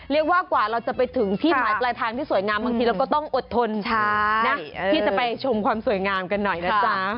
เรียกว่ากว่าเราจะไปถึงที่หมายปลายทางที่สวยงามบางทีเราก็ต้องอดทนนะที่จะไปชมความสวยงามกันหน่อยนะจ๊ะ